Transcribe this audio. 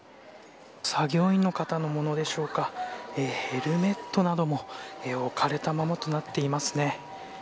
作業員の方のものでしょうかヘルメットなども置かれたままとなっていますね。